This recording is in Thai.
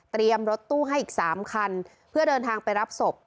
รถตู้ให้อีก๓คันเพื่อเดินทางไปรับศพ